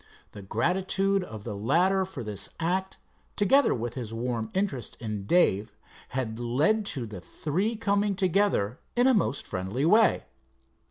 The gratitude of the latter for this act, together with his warm interest in Dave, had led to the three coming together in a most friendly way.